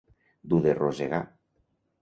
Dur de rosegar.